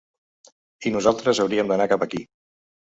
I nosaltres hauríem d’anar cap aquí.